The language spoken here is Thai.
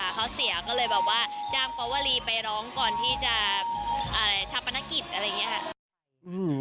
ค่ะเขาเสียก็เลยแบบว่าจ้างตะวะลีไปร้องก่อนที่จะชับบัณฑกิจ